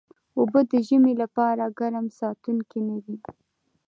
اوبه د ژمي لپاره ګرم ساتونکي نه دي